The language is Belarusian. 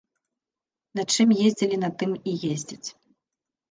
На чым ездзілі, на тым і ездзяць.